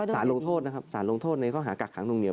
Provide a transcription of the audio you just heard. สารลงโทษนะครับสารลงโทษในข้อหากักขังนวงเหนียว